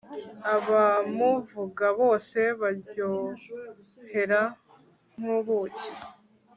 abamuvuga bose abaryohera nk'ubuki